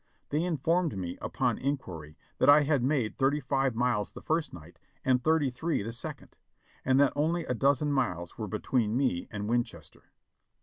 They informed me, upon inquiry, that I had made thirty five miles the first night and thirty three the second, and that only a dozen miles were between me and Winchester.